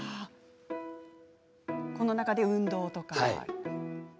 この中で運動とか？